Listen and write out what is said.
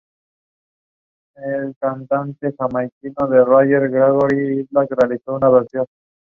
All of the families gathered there were then escorted to the mission in Refugio.